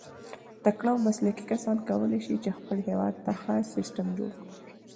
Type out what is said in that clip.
تکړه او مسلکي کسان کولای سي، چي خپل هېواد ته ښه سیسټم جوړ کي.